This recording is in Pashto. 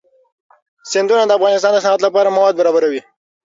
سیندونه د افغانستان د صنعت لپاره مواد برابروي.